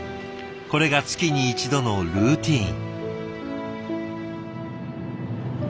これが月に一度のルーティン。